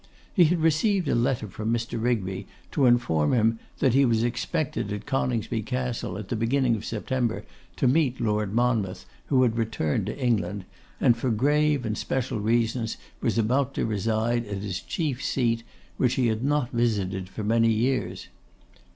He had received a letter from Mr. Rigby, to inform him that he was expected at Coningsby Castle at the beginning of September, to meet Lord Monmouth, who had returned to England, and for grave and special reasons was about to reside at his chief seat, which he had not visited for many years.